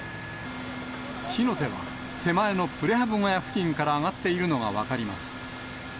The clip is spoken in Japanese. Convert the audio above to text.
火の手は手前のプレハブ小屋付近から上がっているのが分かります。